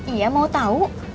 iya mau tau